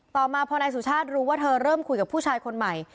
ต่อมาพอนายสุชาติรู้ว่าเธอเริ่มคุยกับผู้ชายคนใหม่